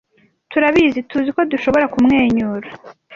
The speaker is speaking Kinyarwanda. Turabizi, tuzi ko dushobora kumwenyura!